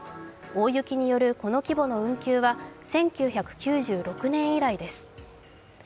大雪によるこの規模の運休は１９９６年以来です。